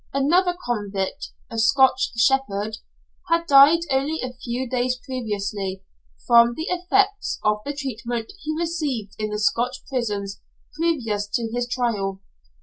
Another convict, a Scotch shepherd, had died only a few days previously, from the effects of the treatment he received in the Scotch prisons previous to his trial.